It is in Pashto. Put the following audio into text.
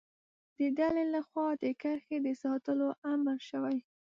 د ډلې له خوا د کرښې د ساتلو امر شوی.